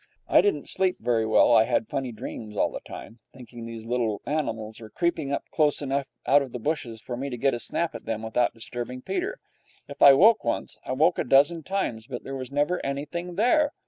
I didn't sleep very well. I had funny dreams all the time, thinking these little animals were creeping up close enough out of the bushes for me to get a snap at them without disturbing Peter. If I woke once, I woke a dozen times, but there was never anything there.